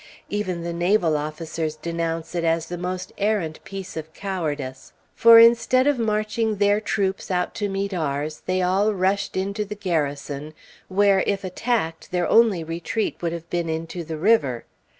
Even the naval officers denounce it as a most arrant piece of cowardice; for instead of marching their troops out to meet ours, they all rushed into the Garrison, where, if attacked, their only retreat would have been into the river.